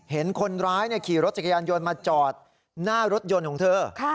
เห็นคนร้ายขี่รถจักรยานยนต์มาจอดหน้ารถยนต์ของเธอ